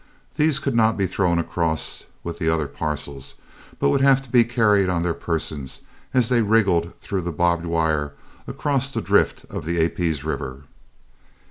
These could not be thrown across with the other parcels, but would have to be carried on their persons as they wriggled through the barbed wires across the drift of the Aapies River.